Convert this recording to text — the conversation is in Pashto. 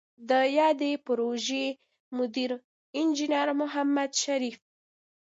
د یادې پروژې مدیر انجنیر محمد شریف